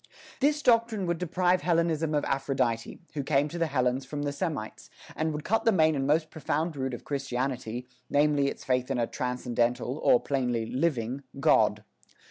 This doctrine would deprive Hellenism of Aphrodite, who came to the Hellenes from the Semites, and would cut the main and most profound root of Christianity, namely its faith in a "transcendental," or, plainly, living God.